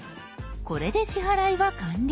これで支払いは完了。